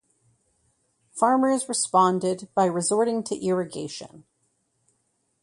Farmers responded by resorting to irrigation.